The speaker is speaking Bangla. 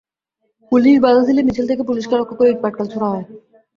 পুলিশ বাধা দিলে মিছিল থেকে পুলিশকে লক্ষ্য করে ইটপাটকেল ছোড়া হয়।